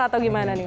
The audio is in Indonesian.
atau gimana nih